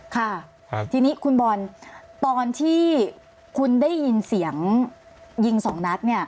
ค่ะทีนี้คุณบอลตอนที่คุณได้ยินเสียงยิงสองนัดเนี่ย